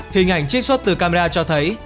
hình ảnh trích xuất từ camera cho thấy